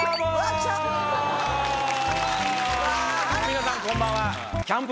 皆さんこんばんは。